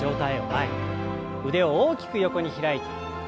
腕を大きく横に開いて。